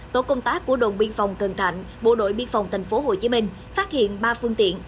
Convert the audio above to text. tổ công tác của đồn biên phòng cần thạnh bộ đội biên phòng tp hcm phát hiện ba phương tiện